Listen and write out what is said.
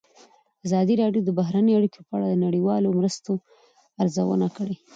ازادي راډیو د بهرنۍ اړیکې په اړه د نړیوالو مرستو ارزونه کړې.